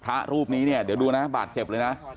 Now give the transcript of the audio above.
พระรูปนี้ดูนะบาตเจ็บเลยนะ